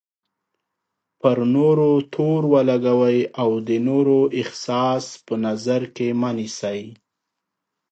پر نورو تور ولګوئ او د نورو احساس په نظر کې مه نیسئ.